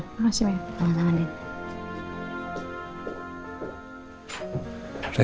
terima kasih banyak